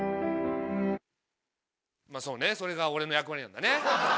まぁそうねそれが俺の役割なんだね。